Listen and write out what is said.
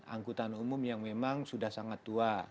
angkutan umum yang memang sudah sangat tua